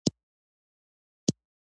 پالمر وویل چې کتلو ته تیار دی.